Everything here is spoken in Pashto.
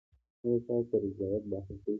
ایا ستاسو رضایت به حاصل شي؟